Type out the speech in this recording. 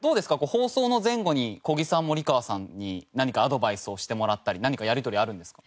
放送の前後に小木さん森川さんに何かアドバイスをしてもらったり何かやりとりあるんですか？